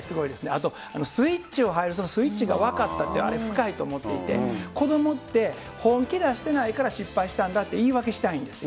あとスイッチが入る、そのスイッチが分かったって、あれ深いと思っていて、子どもって本気出してないから失敗したんだって言い訳したいんです。